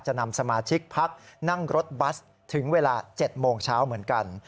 นำสมาชิกพักนั่งรถบัสถึงเวลา๗โมงเช้าเหมือนกัน